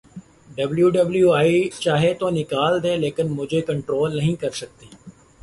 W W E چاہے تو نکال دے لیکن مجھے کنٹرول نہیں کر سکتی